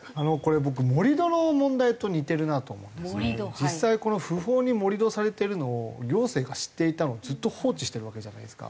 実際不法に盛り土されてるのを行政が知っていたのをずっと放置してるわけじゃないですか。